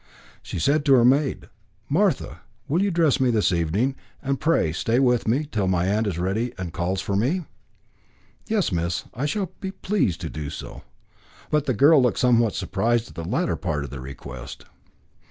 She said to her maid: "Martha, will you dress me this evening and pray stay with me till my aunt is ready and calls for me?" "Yes, miss, I shall be pleased to do so." But the girl looked somewhat surprised at the latter part of the request.